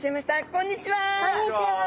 こんにちは。